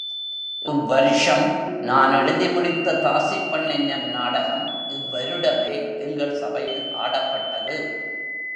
இவ் வருஷம் நான் எழுதி முடித்த தாசிப் பெண் என்னும் நாடகம், இவ்வருடமே எங்கள் சபையில் ஆடப்பட்டது.